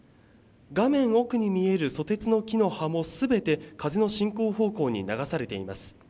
画面奥に見えるそてつの木の葉もすべて風の進行方向に流されています。